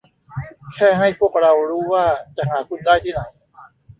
แค่ให้พวกเรารู้ว่าจะหาคุณได้ที่ไหน